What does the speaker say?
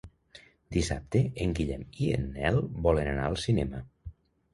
Dissabte en Guillem i en Nel volen anar al cinema.